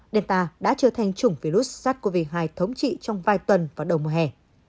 delta đã trở thành chủng virus sars cov hai thống trị trong vài tuần vào đầu mùa hè